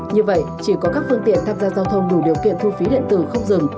như vậy chỉ có các phương tiện tham gia giao thông đủ điều kiện thu phí điện tử không dừng